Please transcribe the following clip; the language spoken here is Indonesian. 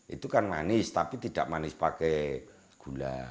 itu kan manis tapi tidak manis pakai gula